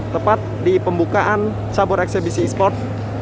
tepat di pembukaan cabur eksebisi e sport